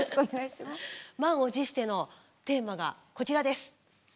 満を持してのテーマがこちらです。